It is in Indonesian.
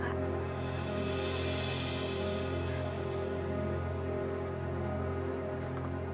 terima kasih pak